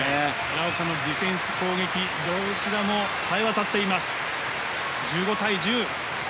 奈良岡のディフェンス、攻撃どちらもさえ渡っています。